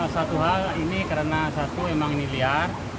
satu hal ini karena satu memang ini liar